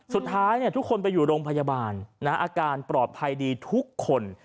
สุดท้ายทุกคนไปอยู่โรงพยาบาลอาการปลอดภัยดีทุกคน